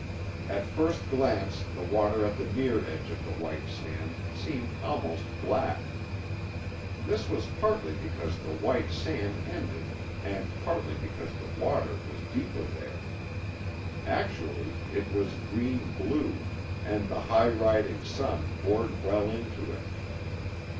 At first glance the water at the near edge of the white sand seemed almost black. This was partly because the white sand ended and partly because the water was deeper there. Actually, it was green blue, and the high riding sun bored well into it.